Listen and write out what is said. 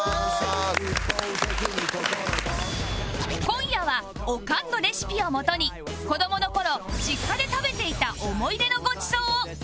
今夜はオカンのレシピをもとに子どもの頃実家で食べていた思い出のご馳走を完全再現